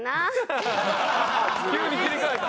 急に切り替えた！